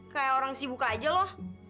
kayak orang sibuk aja loh